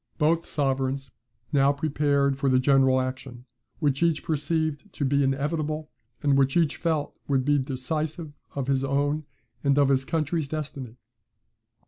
Both sovereigns now prepared for the general action, which each perceived to be inevitable, and which each felt would be decisive of his own and of his country's destiny.